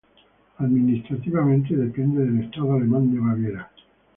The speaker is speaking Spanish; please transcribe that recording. Administrativamente depende del estado alemán de Baviera.